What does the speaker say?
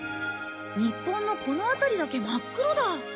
日本のこの辺りだけ真っ暗だ。